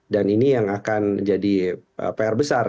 dan ini yang akan jadi pr besar